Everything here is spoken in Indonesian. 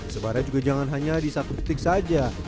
sebarnya juga jangan hanya di satu titik saja